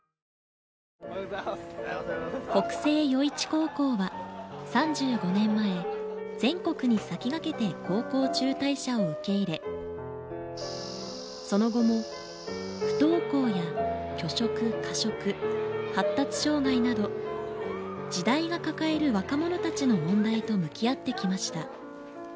北星余市高校は３５年前全国に先駆けて高校中退者を受け入れその後も不登校や拒食過食発達障害など時代が抱える若者たちの問題と向き合ってきました。